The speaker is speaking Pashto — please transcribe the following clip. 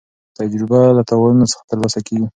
تجربه له تاوانونو څخه ترلاسه کېږي.